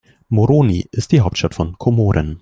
Moroni ist die Hauptstadt von Komoren.